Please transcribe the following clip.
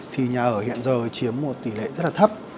thì nhà ở hiện giờ chiếm một tỷ lệ rất là thấp